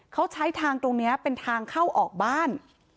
เขาใช้ทางตรงนี้เป็นทางเข้าออกบ้าน